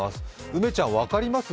梅ちゃん分かります？